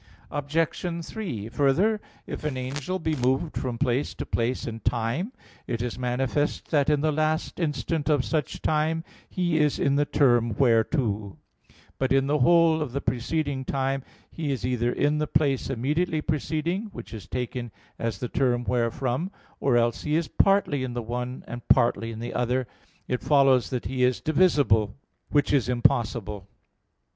Obj. 3: Further, if an angel be moved from place to place in time, it is manifest that in the last instant of such time he is in the term whereto: but in the whole of the preceding time, he is either in the place immediately preceding, which is taken as the term wherefrom; or else he is partly in the one, and partly in the other, it follows that he is divisible; which is impossible.